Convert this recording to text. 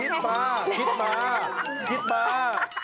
คิดมาคิดมาคิดมา